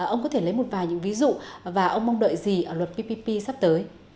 ông có thể lấy một vài những ví dụ và ông mong đợi gì ở luật ppp sắp tới